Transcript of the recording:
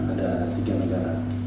ada tiga negara